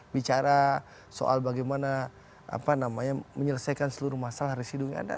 bicara soal bagaimana apa namanya menyelesaikan seluruh masalah residunya